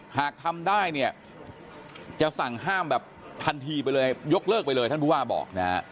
หากทำได้เนี่ยจะสั่งห้ามแบบทันทีไปเลยยกเลิกไปเลยท่านผู้ว่าบอกนะฮะ